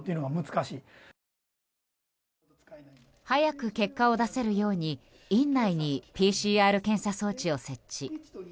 早く結果を出せるように院内にＰＣＲ検査装置を設置。